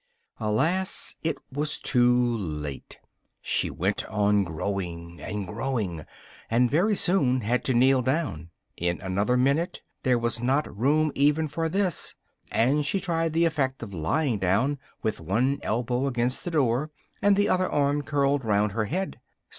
Alas! it was too late: she went on growing and growing, and very soon had to kneel down: in another minute there was not room even for this, and she tried the effect of lying down, with one elbow against the door, and the other arm curled round her head.